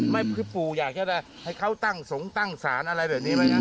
ไม่คือปู่อยากจะให้เขาตั้งสงตั้งสารอะไรแบบนี้ไหมครับ